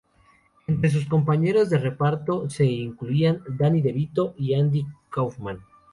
Entre sus compañeros de reparto se incluían Danny DeVito y Andy Kaufman.